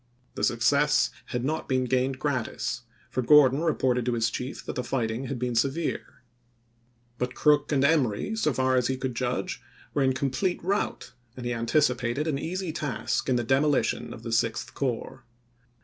The success had not been gained gratis, for Gordon reported to his chief that the fighting had been severe. But Crook and GENEKAL HORATIO G. WRIGHT. CEDAE CEEEK 321 Emory, so far as he could judge, were in complete chap.xiv. rout, and he anticipated an easy task in the demo lition of the Sixth Corps.